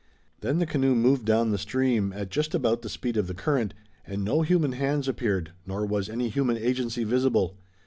Then the canoe moved down the stream at just about the speed of the current, and no human hands appeared, nor was any human agency visible.